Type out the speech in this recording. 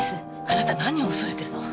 あなた何を恐れてるの？